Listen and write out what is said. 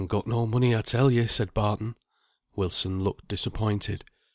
] "I han got no money, I tell ye," said Barton. Wilson looked disappointed.